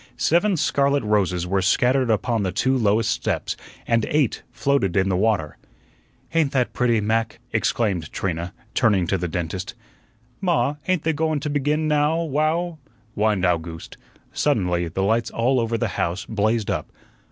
Seven scarlet roses were scattered upon the two lowest steps, and eight floated in the water. "Ain't that pretty, Mac?" exclaimed Trina, turning to the dentist. "Ma, ain't they go wun to begin now wow?" whined Owgooste. Suddenly the lights all over the house blazed up.